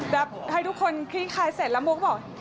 ให้ทุกคนคลี่คลายเสร็จแล้วโมก็บอก